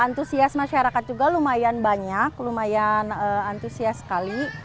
antusias masyarakat juga lumayan banyak lumayan antusias sekali